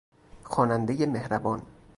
خوانندهی مهربان!